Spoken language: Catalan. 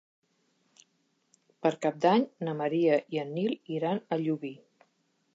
Per Cap d'Any na Maria i en Nil iran a Llubí.